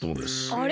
あれ？